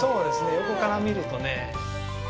横から見るとね